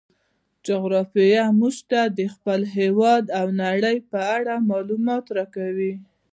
جغرافیه موږ ته د خپل هیواد او نړۍ په اړه معلومات راکوي.